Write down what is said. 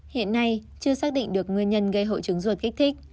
hiện nay chưa xác định được nguyên nhân gây hội chứng ruột kích thích